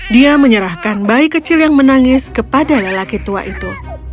dia menyerahkan bayi kecil yang menangis kepada lelaki tua itu